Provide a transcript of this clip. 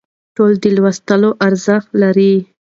ټول د لوستلو ارزښت لري